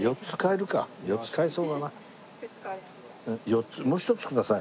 ４つもう１つください。